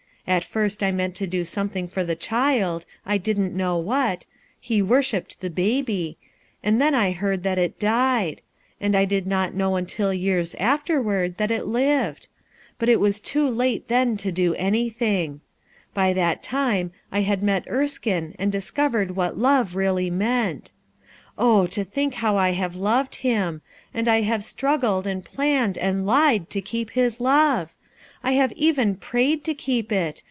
At first I meant to do something for the child, I didn't know what,— he worshipped 356 RUTH ERSKINE'S SON the baby, —and then I heard that it died; and I did not know until years afterward that it lived; but it was too late then to do anything By that time I had met Erskine and discovered what love really meant. Oh, to think how I have loved him! and I have struggled and planned and lied to keep his love ! I have even prayed to keep it!